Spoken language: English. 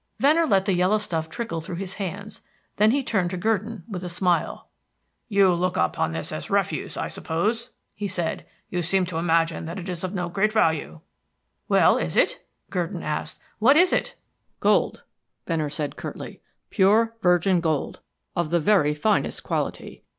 Venner let the yellow stuff trickle through his hands; then he turned to Gurdon with a smile. "You look upon this as refuse, I suppose?" he said. "You seem to imagine that it is of no great value." "Well, is it?" Gurdon asked. "What is it?" "Gold," Venner said curtly. "Pure virgin gold, of the very finest quality.